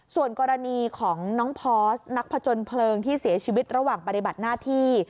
ส่วนกรณีของน้องพอร์สนักผจญเพลิงที่เสียชีวิตระหว่างปฏิบัติหน้าที่